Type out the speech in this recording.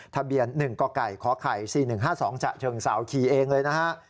ทะเบียน๑กไก่ขไข่๔๑๕๒ฉะเชิงเสาขี่เองเลยนะฮะ